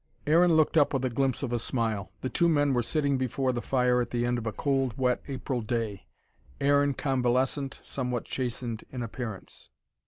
Aaron looked up with a glimpse of a smile. The two men were sitting before the fire at the end of a cold, wet April day: Aaron convalescent, somewhat chastened in appearance.